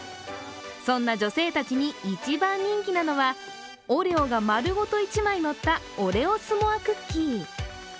そんな女性たちに一番人気なのはオレオがまるごと１枚のったオレオスモアクッキー。